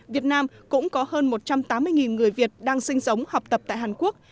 việt nam cũng có hơn một trăm tám mươi người việt đang sinh sống học tập tại hàn quốc